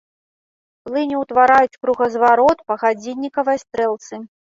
Плыні ўтвараюць кругазварот па гадзіннікавай стрэлцы.